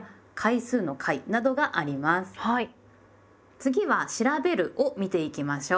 次は「『調』べる」を見ていきましょう。